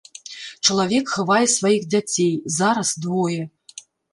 Чалавек хавае сваіх дзяцей, зараз двое.